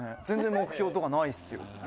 全然目標とかないっすよ。